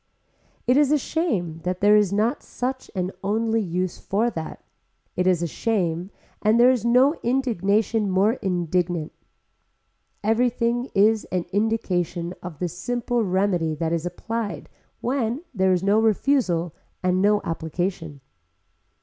It is a shame that there is not such an only use for that, it is a shame and there is no indignation more indignant. Everything is an indication of the simple remedy that is applied when there is no refusal and no application.